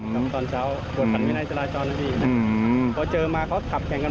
ว่าเราเลี่ยงว่ายุดใช้ความเร็วขับไปเลย